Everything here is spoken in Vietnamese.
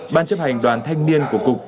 ban chấp hành đoàn thanh niên của cục